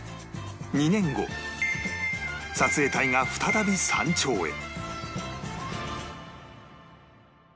２年後撮影隊が再び山頂へ